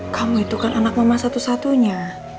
kamu itu kan anak mama satu satunya